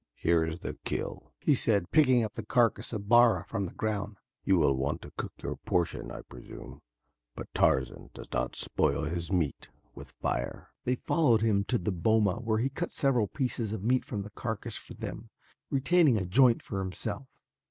"Here is the kill," he said, picking the carcass of Bara from the ground. "You will want to cook your portion, I presume, but Tarzan does not spoil his meat with fire." They followed him to the boma where he cut several pieces of meat from the carcass for them, retaining a joint for himself.